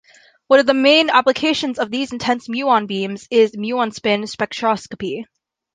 One of the main applications of these intense muon beams is Muon spin spectroscopy.